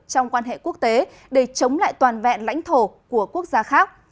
trong quan hệ quốc tế để chống lại toàn vẹn lãnh thổ của quốc gia khác